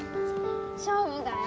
勝負だよ